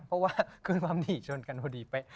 เพราะว่าคุณความหนี่ชนกันพอดีไป